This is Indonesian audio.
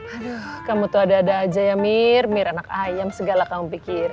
aduh kamu tuh ada ada aja ya mir mir anak ayam segala kamu pikir